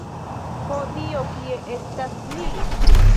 Ho, Dio, kie estas li?